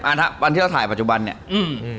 วันที่เราถ่ายปัจจุบันเนี้ยอืม